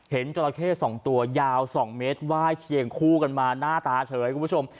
เห็นจราเข้สองตัวยาวสองเมตรไหว้เชียงคู่กันมาหน้าตาเฉยครับผู้ชม